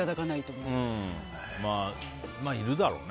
まあ、いるだろうね。